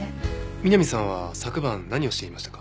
美波さんは昨晩何をしていましたか？